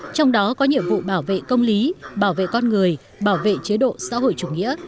trong đó có nhiệm vụ bảo vệ công lý bảo vệ con người bảo vệ trung tâm